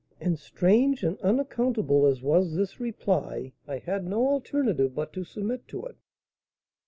And, strange and unaccountable as was this reply, I had no alternative but to submit to it."